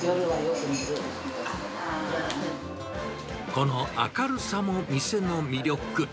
この明るさも店の魅力。